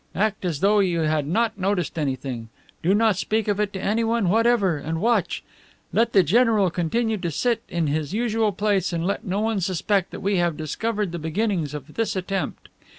Act as though you had not noticed anything; do not speak of it to anyone whatever and watch. Let the general continue to sit in his usual place and let no one suspect that we have discovered the beginnings of this attempt.